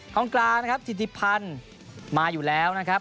ของกลางนะครับ๔๐๐๐๐มาอยู่แล้วนะครับ